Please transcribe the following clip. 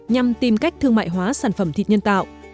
nhằm tìm cách thương mại hóa sản phẩm thịt nhân tạo